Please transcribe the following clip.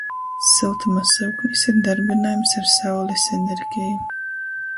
Syltuma syuknis ir darbynojams ar saulis energeju.